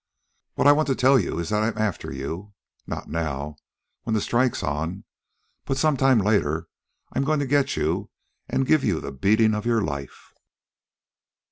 "What I want to tell you is that I'm after you. Not now, when the strike's on, but some time later I'm goin' to get you an' give you the beatin' of your life."